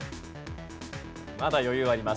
まだ余裕はあります。